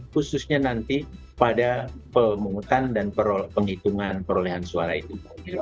khususnya nanti pada pemungutan dan penghitungan perolehan suara itu